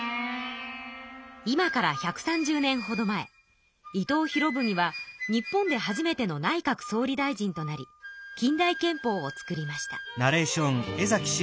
今から１３０年ほど前伊藤博文は日本で初めての内閣総理大臣となり近代憲法を作りました。